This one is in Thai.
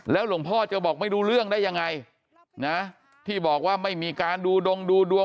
หลวงพ่อจะบอกไม่รู้เรื่องได้ยังไงนะที่บอกว่าไม่มีการดูดงดูดวง